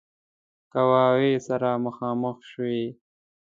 قواوې سره مخامخ شوې.